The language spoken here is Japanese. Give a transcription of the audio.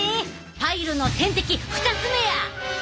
パイルの天敵２つ目や！